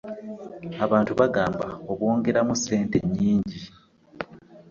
Abantu bagamba obwongeramu ssente nnnnnyingi.